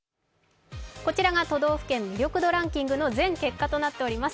こちらが都道府県魅力度ランキングの全結果となっています。